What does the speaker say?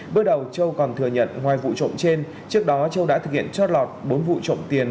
bước đầu châu còn thừa nhận ngoài vụ trộm trên trước đó châu đã thực hiện trót lọt bốn vụ trộm tiền